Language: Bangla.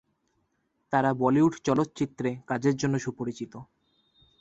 তারা বলিউড চলচ্চিত্রে কাজের জন্য সুপরিচিত।